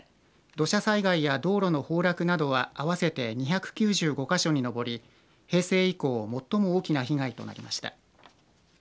土砂災害や道路の崩落などは合わせて２９５か所に上り、平成以降最も大きな被害となりました。